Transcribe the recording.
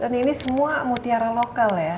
dan ini semua mutiara lokal ya